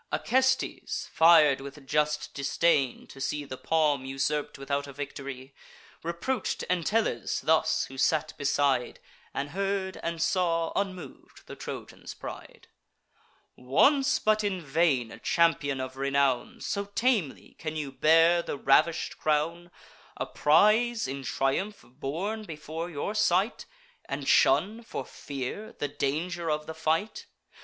Acestes, fir'd with just disdain, to see The palm usurp'd without a victory, Reproach'd Entellus thus, who sate beside, And heard and saw, unmov'd, the Trojan's pride: "Once, but in vain, a champion of renown, So tamely can you bear the ravish'd crown, A prize in triumph borne before your sight, And shun, for fear, the danger of the fight?